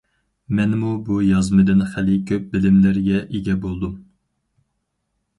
مەنمۇ بۇ يازمىدىن خېلى كۆپ بىلىملەرگە ئىگە بولدۇم.